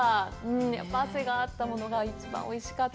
汗があったものが一番おいしかった。